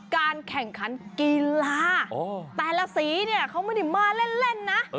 การแข่งขันกีฬาแต่ละสีเนี่ยเขาไม่ได้มาเล่นนะ